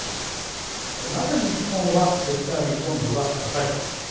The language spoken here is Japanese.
なぜ日本は石炭依存度が高いのか。